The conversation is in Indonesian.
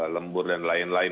lembur dan lain lain